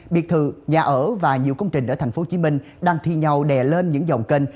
biệt thự nhà ở và nhiều công trình ở tp hcm đang thi nhau đè lên những dòng kênh